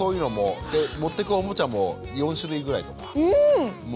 で持ってくおもちゃも４種類ぐらいとか持ってって。